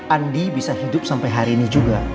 andi bisa hidup sampai hari ini juga